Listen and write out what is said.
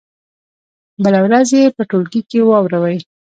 بله ورځ یې په ټولګي کې واوروئ.